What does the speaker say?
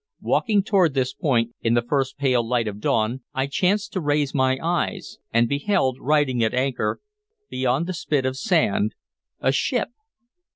Walking toward this point in the first pale light of dawn, I chanced to raise my eyes, and beheld riding at anchor beyond the spit of sand a ship.